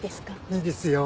いいですよ。